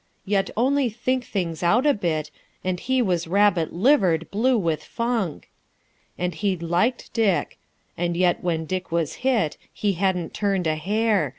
Yet, only think things out a bit, And he was rabbit livered, blue with funk! And he'd liked Dick ... and yet when Dick was hit He hadn't turned a hair.